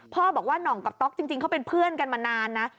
พ่อบอกว่าหน่องกับต๊อกจริงเขาเป็นเพื่อนกันมานานนะ